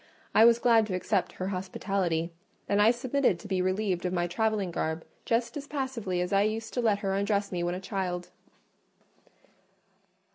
I was glad to accept her hospitality; and I submitted to be relieved of my travelling garb just as passively as I used to let her undress me when a child.